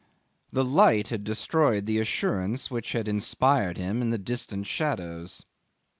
The light had destroyed the assurance which had inspired him in the distant shadows.